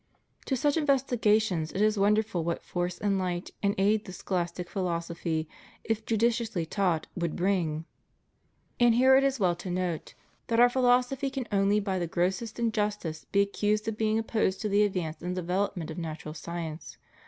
To such investigations it is wonderful what force and light and aid the scholastic philosophy, if judiciously taught, would bring. And here it is well to note that Our philosophy can only by the grossest injustice be accused of being opposed to the advance and development of natural science.